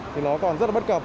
thì nó còn rất là bất cập